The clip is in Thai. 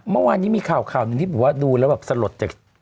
เมื่อวานนี้มีข่าวหนึ่งที่ผมว่าดูแล้วแบบสะหรดจาก